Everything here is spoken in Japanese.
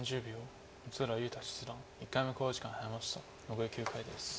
残り９回です。